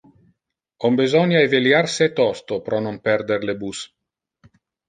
On besonia eveliar se tosto pro non perder le bus.